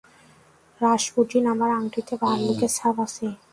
Rasputin, আমার আংটিতে ভাল্লুকের ছাপ আছে।